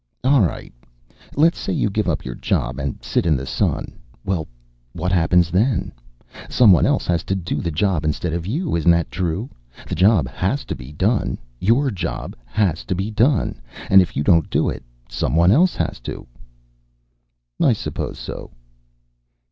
"All right, let's say you give up your job and sit in the sun. Well, what happens, then? Someone else has to do the job instead of you. Isn't that true? The job has to be done, your job has to be done. And if you don't do it someone else has to." "I suppose so."